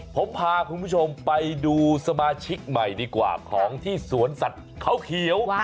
ผมพาคุณผู้ชมไปดูสมาชิกใหม่ดีกว่าของที่สวนสัตว์เขาเขียว